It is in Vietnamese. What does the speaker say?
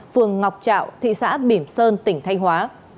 phường ngọc trạo thị xã bỉm sơn tỉnh thanh hóa